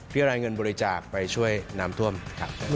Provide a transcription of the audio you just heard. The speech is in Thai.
เพื่อรายเงินบริจาคไปช่วยน้ำทั่วมกลับ